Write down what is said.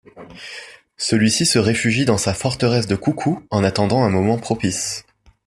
Celui-ci se réfugie dans sa forteresse de Koukou en attendant un moment propice.